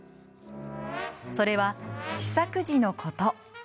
それは試作時のこと。